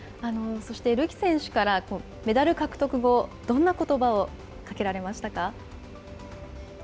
そして、るき選手からメダル獲得後、どんなことばをかけられましたか？